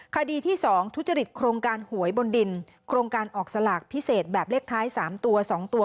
คดีที่๒ทุจริตโครงการหวยบนดินโครงการออกสลากพิเศษแบบเลขท้าย๓ตัว๒ตัว